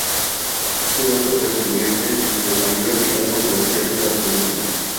Estos datos le convierten en el mayor lago glaciar de la Península.